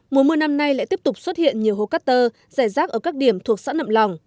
mùa mưa năm nay lại tiếp tục xuất hiện nhiều hố cát tơ rẻ rác ở các điểm thuộc xã nậm lòng